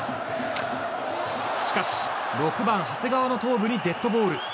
しかし６番、長谷川の頭部にデッドボール。